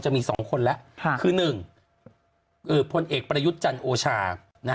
จะมีสองคนละคือหนึ่งเอ่อพลเอกประยุทธ์จันทร์โอชานะฮะ